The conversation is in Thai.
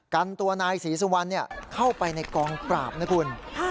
กันตัวนายศรีสุวรรณเข้าไปในกองปราบนะคุณ